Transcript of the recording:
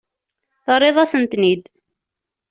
Terriḍ-asen-ten-id.